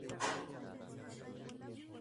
Fue tratada y el cáncer remitió.